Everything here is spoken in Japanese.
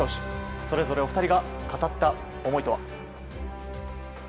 それぞれ、お二人が語った思いとは。